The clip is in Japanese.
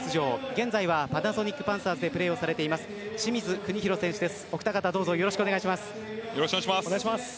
現在はパナソニックパンサーズでプレーされている清水邦広選手です。